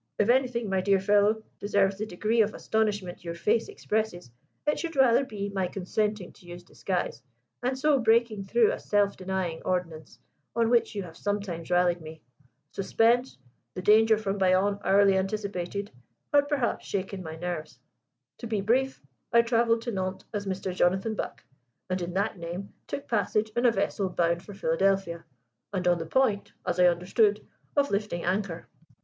If anything, my dear fellow, deserves the degree of astonishment your face expresses, it should rather be my consenting to use disguise, and so breaking through a self denying ordinance on which you have sometimes rallied me. Suspense the danger from Bayonne hourly anticipated had perhaps shaken my nerves. To be brief, I travelled to Nantes as Mr. Jonathan Buck, and in that name took passage in a vessel bound for Philadelphia and on the point (as I understood) of lifting anchor.